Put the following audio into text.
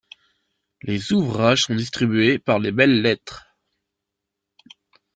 Les ouvrages sont distribués par Les Belles Lettres.